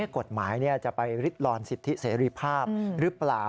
กฎหมายจะไปริดลอนสิทธิเสรีภาพหรือเปล่า